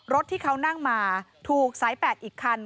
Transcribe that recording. รถที่เขานั่งมาถูกสายแปดอีกคัน